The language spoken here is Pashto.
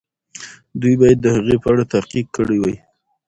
دوی باید د هغې په اړه تحقیق کړی وای.